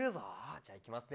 じゃあいきますね。